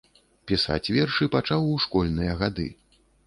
Пісаць вершы пачаў у школьныя гады.